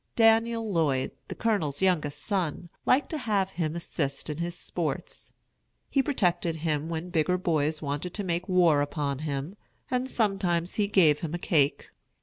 Daniel Lloyd, the Colonel's youngest son, liked to have him assist in his sports. He protected him when bigger boys wanted to make war upon him, and sometimes he gave him a cake.